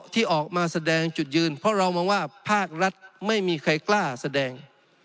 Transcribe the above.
ที่ออกมาแสดงจุดยืนเพราะเรามองว่าภาครัฐไม่มีใครกล้าแสดง